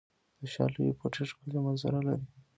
د شالیو پټي ښکلې منظره لري.